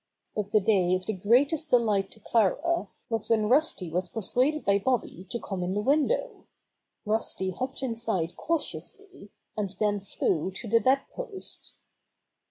But the day of the greatest de light to Clara was when Rusty was persuaded by Bobby to come in the window. Rusty hopped inside cautiously, and then flew to the bed post.